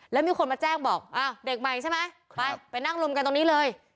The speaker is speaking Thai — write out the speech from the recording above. แล้วมีคนมาแจ้งบอกอ้าวเด็กใหม่ใช่ไหมไปไปนั่งลุมกันตรงนี้เลย